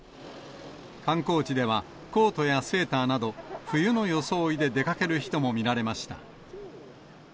観光地では、コートやセーターなど、冬の装いで出かける人も見られました。